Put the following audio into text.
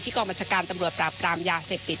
ที่กรมจักรรมตำรวจปราบกรามยาเสพติด